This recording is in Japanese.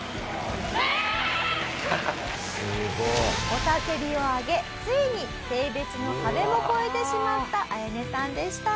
雄たけびを上げついに性別の壁も超えてしまったアヤネさんでした。